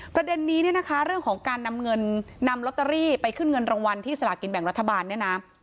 ประเด็นนี้เนี่ยนะคะเรื่องของการนำเงินนำลอตเตอรี่ไปขึ้นเงินรางวัลที่สลากินแบ่งรัฐบาลเนี่ยนะ